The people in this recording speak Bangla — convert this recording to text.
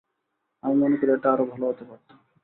আমি মনে করি এটা আরও ভালো হতে পারত।